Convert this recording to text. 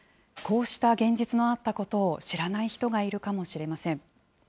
こうした現実のあったことを知らない人がいるかもしれません。